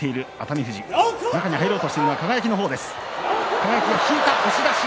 輝が引いた、押し出し。